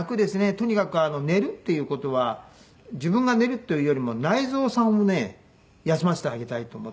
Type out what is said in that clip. とにかく寝るっていう事は自分が寝るというよりも内臓さんをね休ませてあげたいと思って。